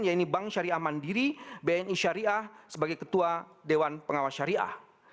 yaitu bank syariah mandiri bni syariah sebagai ketua dewan pengawas syariah